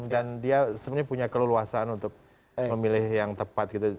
dan dia sebenarnya punya keluluasan untuk memilih yang tepat gitu